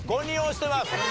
５人押してます。